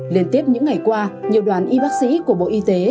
liên tiếp những ngày qua nhiều đoàn y bác sĩ của bộ y tế